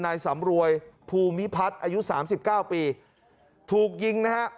นายสำรวยภูมิพัฒน์อายุสามสิบเก้าปีถูกยิงนะฮะ